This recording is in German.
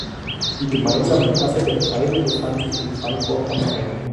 Die gemeinsame Kasse der Kreise befand sich in Frankfurt am Main.